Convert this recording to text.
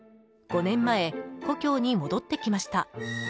５年前、故郷に戻ってきました。